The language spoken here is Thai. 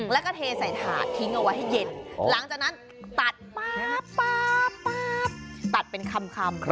แล้วก็เทใส่ถาดทิ้งเอาไว้ให้เย็นหลังจากนั้นตัดป๊าบตัดเป็นคำ